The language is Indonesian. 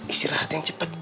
istirahat yang cepat